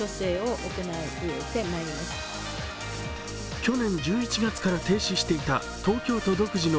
去年１１月から停止していた東京都独自の